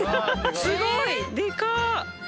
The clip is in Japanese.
すごい！でかっ。